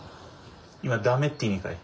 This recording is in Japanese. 今駄目って意味かい？